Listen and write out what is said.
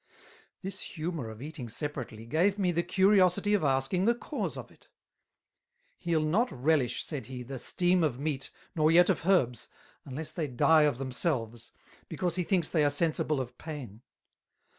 This humour of eating separately, gave me the curiosity of asking the Cause of it: "He'll not relish," said he, "the steam of Meat, nor yet of Herbs, unless they die of themselves, because he thinks they are sensible of Pain."